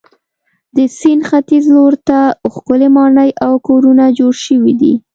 د سیند ختیځ لور ته ښکلې ماڼۍ او کورونه جوړ شوي دي.